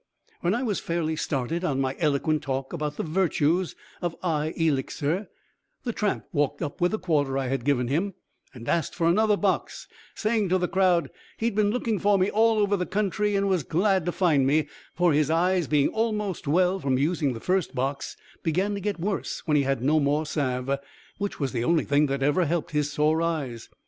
When I was fairly started on my eloquent talk about the virtues of "Eye Elixir," the tramp walked up with the quarter I had given him, and asked for "another box," saying to the crowd, he'd been looking for me all over the country and was glad to find me, for his eyes being almost well from using the first box began to get worse when he had no more salve, which was the only thing that ever helped his sore eyes.